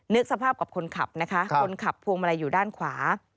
นึกสภาพกับคนขับนะคะคนขับพวงมาลัยอยู่ด้านขวา